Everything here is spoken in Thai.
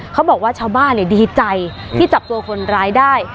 เขาบอกว่าชาวบ้านดีใจที่จับตัวคนร้ายได้